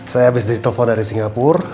saya abis dari telepon dari singapur